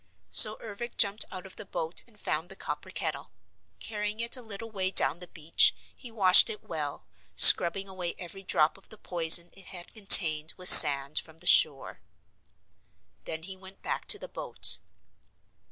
So Ervic jumped out of the boat and found the copper kettle. Carrying it a little way down the beach, he washed it well, scrubbing away every drop of the poison it had contained with sand from the shore. Then he went back to the boat.